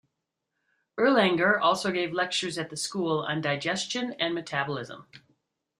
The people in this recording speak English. Erlanger also gave lectures at the school on digestion and metabolism.